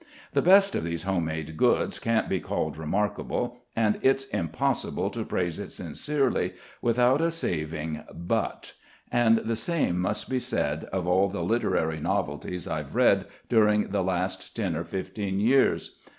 The best of these homemade goods can't be called remarkable and it's impossible to praise it sincerely without a saving "but"; and the same must be said of all the literary novelties I've read during the last ten or fifteen years.